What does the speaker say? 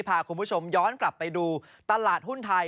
พาคุณผู้ชมย้อนกลับไปดูตลาดหุ้นไทย